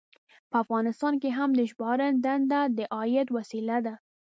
په افغانستان کې هم د ژباړن دنده د عاید وسیله وه.